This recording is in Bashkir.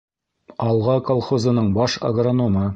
«Алға» колхозының баш агрономы.